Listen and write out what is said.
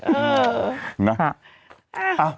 อื้อ